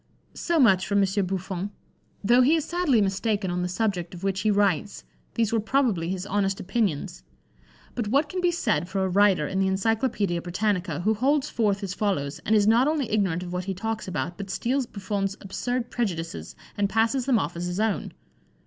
So much for M. Buffon: though he is sadly mistaken on the subject of which he writes, these were probably his honest opinions; but what can be said for a writer in the Encyclopædia Britannica, who holds forth as follows, and is not only ignorant of what he talks about, but steals Buffon's absurd prejudices, and passes them off as his own.